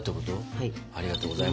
はい。